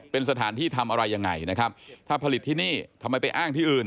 เป็นสถานที่ทำอะไรยังไงนะครับถ้าผลิตที่นี่ทำไมไปอ้างที่อื่น